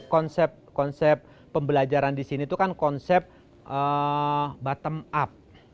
konsep konsep pembelajaran di sini itu kan konsep bottom up